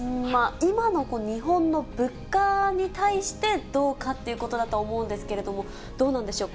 今の日本の物価に対して、どうかっていうことだと思うんですけれども、どうなんでしょう？